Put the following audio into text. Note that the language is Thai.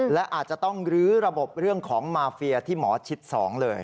และอาจจะต้องลื้อระบบเรื่องของมาเฟียที่หมอชิด๒เลย